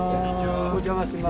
お邪魔します。